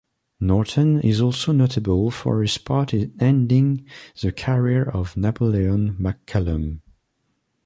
Norton is also notable for his part in ending the career of Napoleon McCallum.